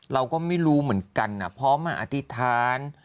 เราก็ไม่รู้เหมือนกันพร้อมมาอธิษฐาน